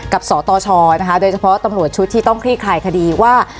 สตชนะคะโดยเฉพาะตำรวจชุดที่ต้องคลี่คลายคดีว่า